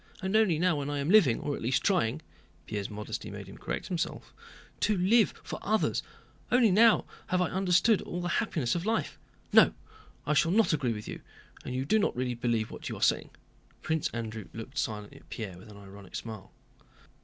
And only now when I am living, or at least trying" (Pierre's modesty made him correct himself) "to live for others, only now have I understood all the happiness of life. No, I shall not agree with you, and you do not really believe what you are saying." Prince Andrew looked silently at Pierre with an ironic smile.